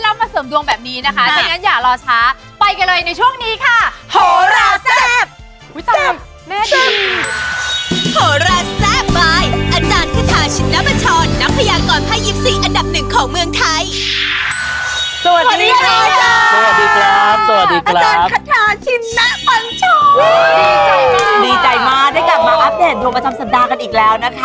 สวัสดีค่ะสวัสดีครับอาจารย์ขทาชินณปัญชรดีใจมากดีใจมากได้กลับมาอัปเดตดวงประจำสัปดาห์กันอีกแล้วนะคะ